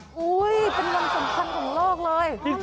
เป็นวันสำคัญของโลกเลย